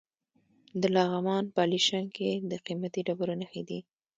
د لغمان په علیشنګ کې د قیمتي ډبرو نښې دي.